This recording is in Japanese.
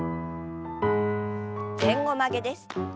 前後曲げです。